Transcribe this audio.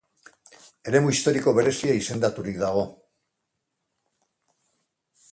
Eremu historiko berezia izendaturik dago.